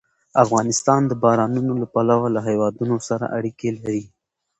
افغانستان د بارانونو له پلوه له هېوادونو سره اړیکې لري.